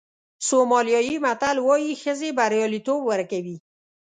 سومالیایي متل وایي ښځې بریالیتوب ورکوي.